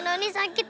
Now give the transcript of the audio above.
nani udah gak kuat